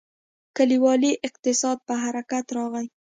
کلیوالي اقتصاد په حرکت راغی.